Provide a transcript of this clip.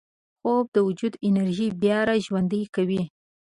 خوب د وجود انرژي بیا راژوندي کوي